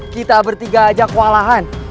kita bertiga ajak walahan